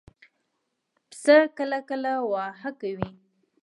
پسه کله کله واهه کوي.